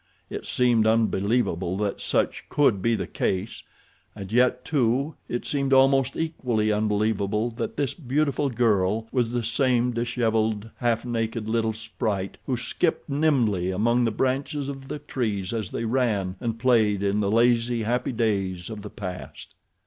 It seemed unbelievable that such could be the case, and yet, too, it seemed almost equally unbelievable that this beautiful girl was the same disheveled, half naked, little sprite who skipped nimbly among the branches of the trees as they ran and played in the lazy, happy days of the past.